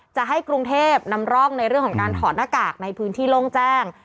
จะให้กรุงเทพนำร่องในเรื่องของการถอดหน้ากากในพื้นที่โล่งแจ้ง